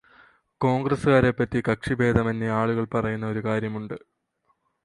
കോൺഗ്രസ്സുകാരെ പറ്റി കക്ഷിഭേദമന്യെ ആളുകൾ പറയുന്ന ഒരു കാര്യമുണ്ട്.